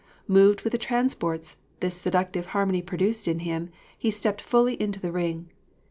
Moved with the transports this seductive harmony produced in him, he stepped fully into the ring.